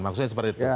maksudnya seperti itu